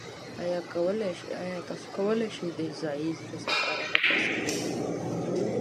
ایا تاسو کولی شئ د ځایی رضاکارانه فرصت ومومئ؟